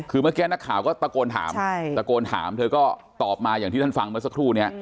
คือเมื่อกี้นักข่าวก็ตะโกนถามเธอก็ตอบมาอย่างที่ท่านฟังมาสักครู่